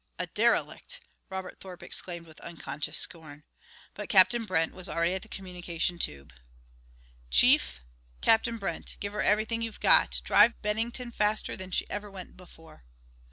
"A derelict!" Robert Thorpe exclaimed with unconscious scorn. But Captain Brent was already at a communication tube. "Chief? Captain Brent. Give her everything you've got. Drive the Bennington faster than she ever went before."